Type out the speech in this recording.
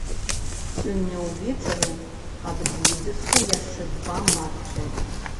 Сёння ўвечары адбудзецца яшчэ два матчы.